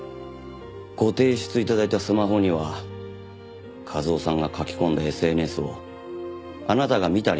ご提出頂いたスマホには一雄さんが書き込んだＳＮＳをあなたが見た履歴も残っていました。